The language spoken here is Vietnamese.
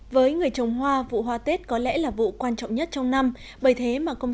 với người trồng hoa vụ hoa tết có lẽ là vụ quan trọng nhất trong năm